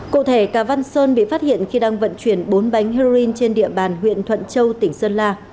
cụ thể cà văn sơn bị phát hiện khi đang vận chuyển bốn bánh heroin trên địa bàn huyện thuận châu tỉnh sơn la